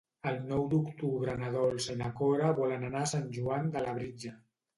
El nou d'octubre na Dolça i na Cora volen anar a Sant Joan de Labritja.